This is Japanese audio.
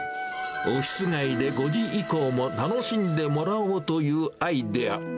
オフィス街で５時以降も楽しんでもらおうというアイデア。